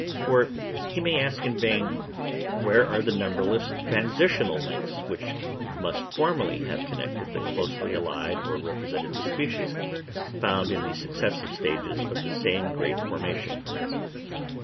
For he may ask in vain where are the numberless transitional links which must formerly have connected the closely allied or representative species, found in the successive stages of the same great formation?